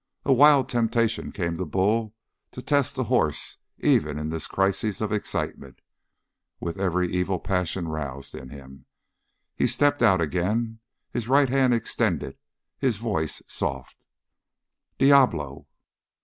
A wild temptation came to Bull to test the horse even in this crisis of excitement, with every evil passion roused in him. He stepped out again, his right hand extended, his voice soft. "Diablo!"